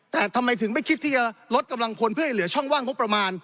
แต่ทำไมถึงไม่คิดที่จะลดกำลังพลเพื่อให้เหลือช่องว่างงบประมาณ